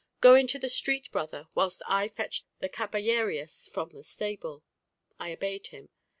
"Go into the street, brother, whilst I fetch the caballerias from the stable." I obeyed him.